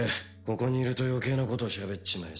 ここにいると余計なこと喋っちまい